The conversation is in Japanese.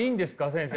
先生。